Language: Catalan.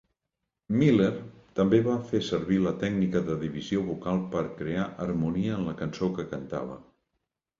Miller també va fer servir la tècnica de divisió vocal per crear harmonia en la cançó que cantava.